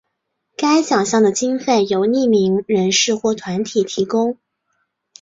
该奖项的经费由匿名人士或团体提供。